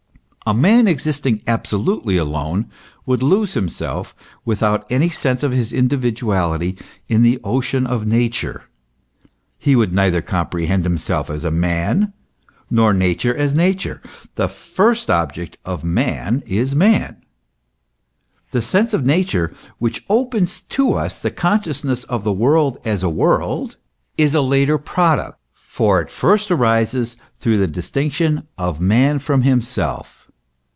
A man existing absolutely alone, would lose himself without any sense of his individuality in the ocean of Nature ; he would neither comprehend himself as man, nor Nature as Nature. The first object of man is man. The sense of Nature, which opens to us the consciousness of the world as a world, is a later product ; for it first arises through the dis tinction of man from himself.